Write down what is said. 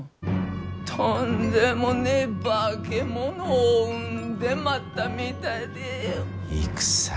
とんでもねえ化け物を生んでまったみたいで。